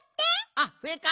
あっふえか。